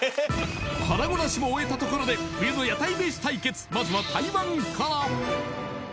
腹ごなしも終えたところで冬のまずは台湾から！